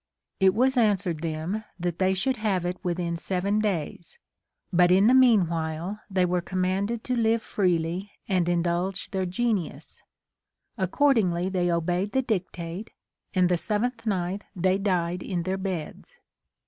It was answered them that they should have it Avithin seven days, but in the mean while they were commanded to live freely and indulge their genius ; accordingly they obeyed the dictate, and the seventh night they died in their beds.